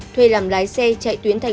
thuê làm lái xe chạy tuyến